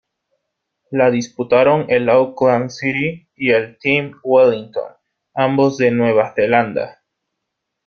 La disputaron el Auckland City y el Team Wellington, ambos de Nueva Zelanda.